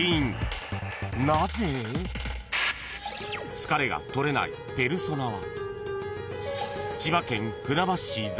［疲れが取れないペルソナは］